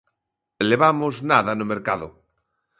Levamos nada no mercado.